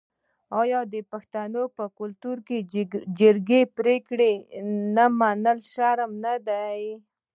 آیا د پښتنو په کلتور کې د جرګې پریکړه نه منل شرم نه دی؟